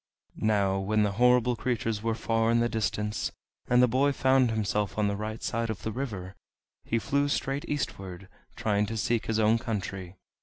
Now when the horrible creatures were far in the distance, and the boy found himself on the right side of the river, he flew straight eastward, trying to seek his own country.